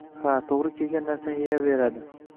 Ha, to‘g‘ri kelgan narsani yeyaveradi.